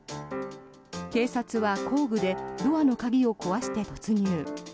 警察は工具でドアの鍵を壊して突入。